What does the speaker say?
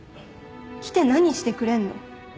来て何してくれんの？